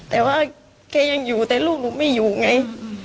แต่ว่าแกยังอยู่แต่ลูกหนูไม่อยู่ไง